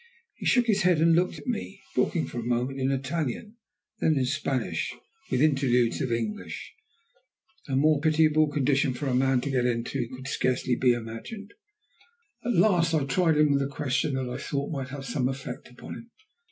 He shook his head and looked at me, talking for a moment in Italian, then in Spanish, with interludes of English. A more pitiable condition for a man to get into could scarcely be imagined. At last I tried him with a question I thought might have some effect upon him.